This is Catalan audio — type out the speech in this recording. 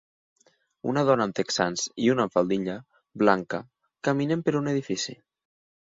Una dona amb texans i una amb faldilla blanca caminen per un edifici.